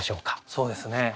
そうですね。